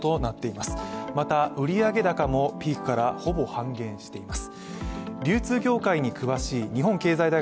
また、売上高もピークからほぼ半減しています。